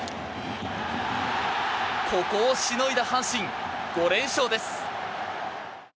ここをしのいだ阪神５連勝です。